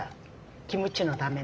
キムチのために。